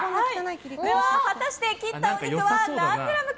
果たして切ったお肉は何グラムか。